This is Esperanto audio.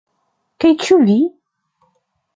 Kaj ĉu vi?